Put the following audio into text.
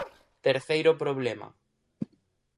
Terceiro problema.